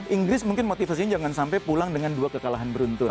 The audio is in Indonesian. inggris mungkin motivasinya jangan sampai pulang dengan dua kekalahan beruntun